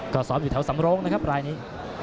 ก็ซ้อมอยู่แถวสำโรงนะครับรายนี้